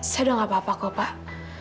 saya udah gak apa apa kok pak